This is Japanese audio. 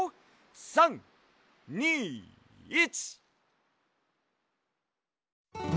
３２１。